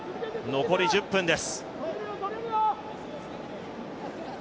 残り１０分です。